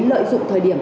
lợi dụng thời điểm